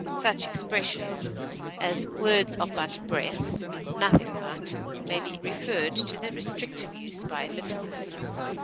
Such expressions as "words are but breath" (nothing but) may be referred to the restrictive use by ellipsis.